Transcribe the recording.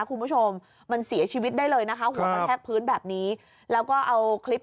คุณผู้ชมมันเสียชีวิตได้เลยนะคะหัวกระแทกพื้นแบบนี้แล้วก็เอาคลิป